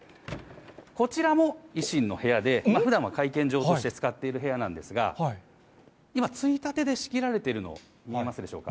こちらも維新の部屋で、ふだんは会見場として使っている部屋なんですが、今、ついたてで仕切られているの、見えますでしょうか？